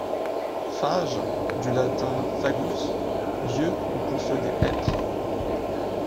Fage, du latin fagus, lieu où poussent des hêtres.